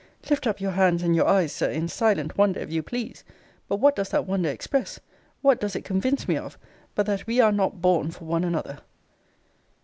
Lift up your hands and your eyes, Sir, in silent wonder, if you please; but what does that wonder express, what does it convince me of, but that we are not born for one another.